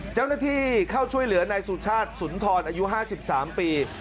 เจ้าหน้าที่เข้าช่วยเหลือนายสุชาติสุนทรอายุ๕๓ปี